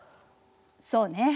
そうね。